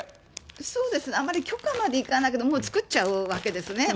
そうですね、あまり許可までいかないけど、もう作っちゃうわけですね。